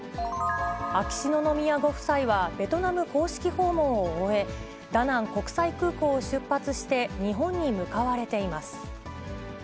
秋篠宮ご夫妻はベトナム公式訪問を終え、ダナン国際空港を出発して日本に向かわれています。